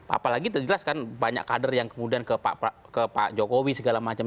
apalagi jelas kan banyak kader yang kemudian ke pak jokowi segala macam